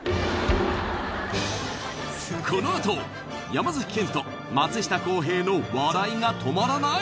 このあと山賢人松下洸平の笑いが止まらない？